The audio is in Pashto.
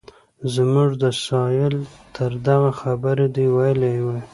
زموږ د سایل دغه خبره دې ویلې وای.